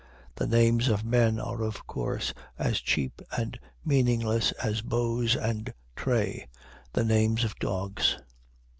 The names of men are of course as cheap and meaningless as Bose and Tray, the names of dogs.